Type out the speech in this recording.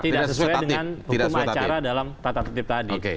tidak sesuai dengan hukum acara dalam tata tertib tadi